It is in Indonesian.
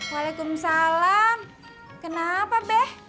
waalaikumsalam kenapa beh